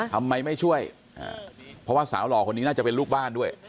ทำไมไม่ช่วยเพราะว่าสาวหล่อคนนี้น่าจะเป็นลูกบ้านด้วย